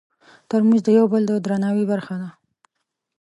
ترموز د یو بل د درناوي برخه ده.